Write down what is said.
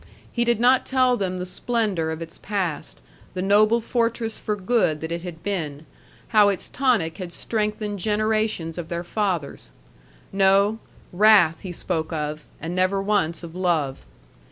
He did not tell them the splendor of its past, the noble fortress for good that it had been, how its tonic had strengthened generations of their fathers. No; wrath he spoke of, and never once of love.